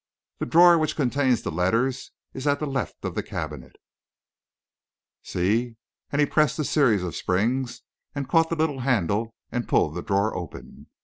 The drawer which contained the letters is at the left of the cabinet see," and he pressed the series of springs, caught the little handle, and pulled the drawer open.